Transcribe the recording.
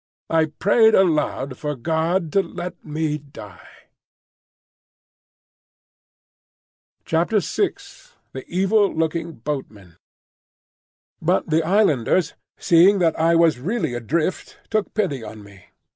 I prayed aloud for God to let me die. VI. THE EVIL LOOKING BOATMEN. But the islanders, seeing that I was really adrift, took pity on me.